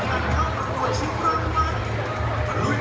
วันนี้ก็เป็นปีนี้